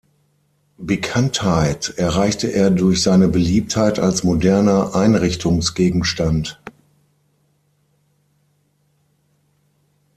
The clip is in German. Bekanntheit erreichte er durch seine Beliebtheit als moderner Einrichtungsgegenstand.